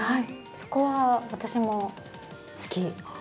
そこは私も好き。